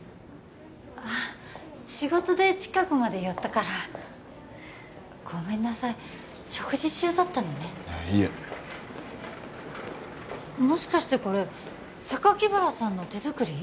仕事で近くまで寄ったからごめんなさい食事中だったのねいえもしかしてこれ榊原さんの手作り？